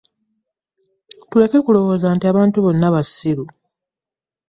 Tuleke kulowooza nti abantu bonna bassiru.